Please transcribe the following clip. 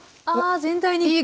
ああ全体に！